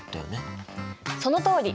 そのとおり！